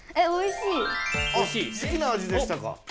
あすきな味でしたか。